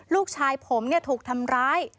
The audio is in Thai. ลูกชายผมเนี่ยถูกทำร้าย